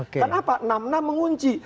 kan apa enam puluh enam mengunci